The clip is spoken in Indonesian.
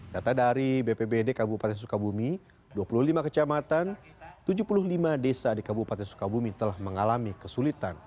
data dari bpbd kabupaten sukabumi dua puluh lima kecamatan tujuh puluh lima desa di kabupaten sukabumi telah mengalami kesulitan